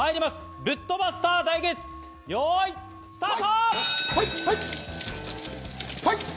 ブットバスター対決、よい、スタート！